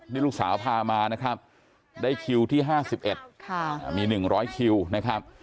นี่ลูกสาวพามานะครับได้คิวที่๕๑มี๑๐๐คิวนะครับ